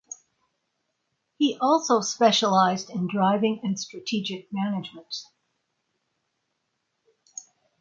He is also specialized in Driving and Strategic Management.